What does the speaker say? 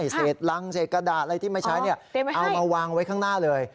เศษรังเศษกระดาษอะไรที่ไม่ใช้เอามาวางไว้ข้างหน้าเลย